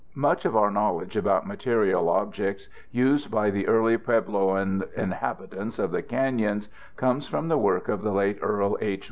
Much of our knowledge about material objects used by the early Puebloan inhabitants of the canyons comes from the work of the late Earl H.